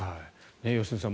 良純さん